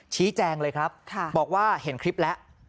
ชี้แจงเลยครับบอกว่าเห็นคลิปแล้ว